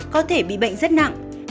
có thể bị bệnh rất nặng